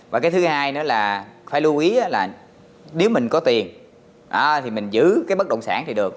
và cái thứ hai nữa là phải lưu ý là nếu mình có tiền thì mình giữ cái bất động sản thì được